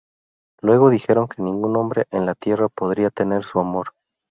Luego dijeron que ningún hombre en la tierra podría tener su amor.